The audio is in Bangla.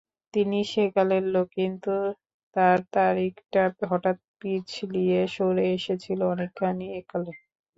তিনি সেকালের লোক, কিন্তু তাঁর তারিখটা হঠাৎ পিছলিয়ে সরে এসেছিল অনেকখানি একালে।